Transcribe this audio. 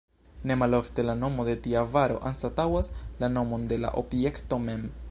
Ne malofte la nomo de tia varo anstataŭas la nomon de la objekto mem.